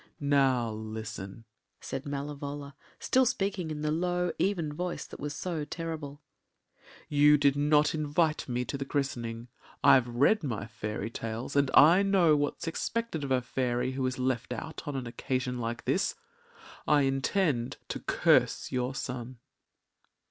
“Now listen,” said Malevola, still speaking in the low, even voice that was so terrible. “You did not invite me to the christening. I’ve read my fairy tales, and I know what’s expected of a fairy who is left out on an occasion like this. I intend to curse your son.